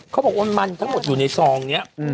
เขาบอกว่ามันทั้งหมดอยู่ในซองนี้